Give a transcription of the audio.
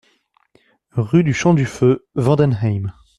Rue du Champ du Feu, Vendenheim